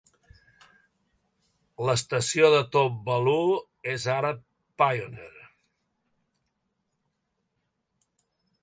L'estació de Top-Valu és ara Pioneer.